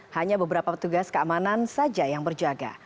hanya beberapa petugas keamanan saja yang berjaga